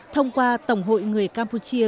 thông qua tổng hội người campuchia